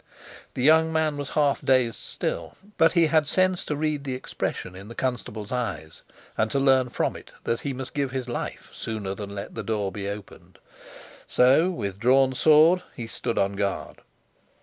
The young man was half dazed still, but he had sense to read the expression in the constable's eyes and to learn from it that he must give his life sooner than let the door be opened. So with drawn sword he stood on guard.